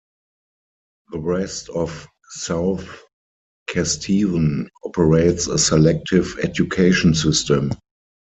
The rest of South Kesteven operates a selective education system.